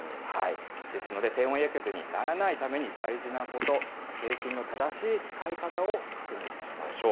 ですので、低温やけどにならないために大事なこと、製品の正しい使い方を確認しましょう。